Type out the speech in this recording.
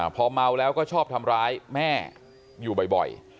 พอเมาแล้วก็ชอบทำร้ายแม่อยู่บ่อย